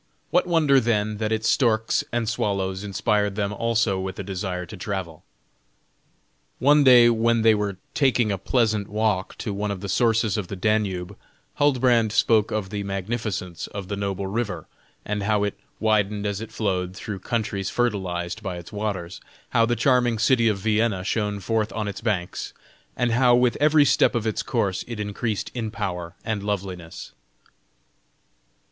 What wonder then, that its storks and swallows inspired them also with a desire to travel? One day when they were taking a pleasant walk to one of the sources of the Danube, Huldbrand spoke of the magnificence of the noble river, and how it widened as it flowed through countries fertilized by its waters, how the charming city of Vienna shone forth on its banks, and how with every step of its course it increased in power and loveliness.